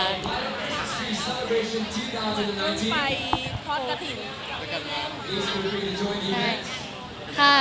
คุณไปทอดกระถิ่นกันมาก